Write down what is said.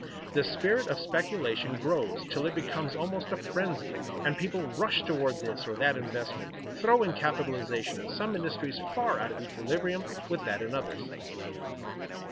The spirit of speculation grows till it becomes almost a frenzy, and people rush toward this or that investment, throwing capitalization in some industries far out of equilibrium with that in others.